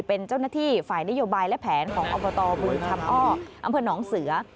เป็นเจ้าหน้าที่ฝ่ายนโยบายและแผนของอบตบริคำอ้ออำเภอหนองเสือ